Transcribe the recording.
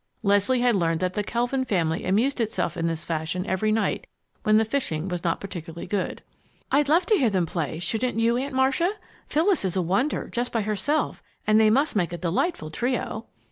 Leslie had learned that the Kelvin family amused itself in this fashion every night when the fishing was not particularly good. "I'd love to hear them play, shouldn't you, Aunt Marcia? Phyllis is a wonder, just by herself, and they must make a delightful trio!"